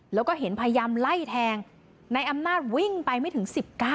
แล้วก็เห็นพยายามไล่แทงนายอำนาจวิ่งไปไม่ถึง๑๙